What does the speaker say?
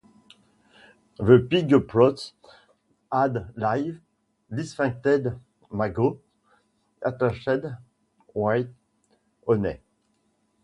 The pig props had live disinfected maggots attached with honey.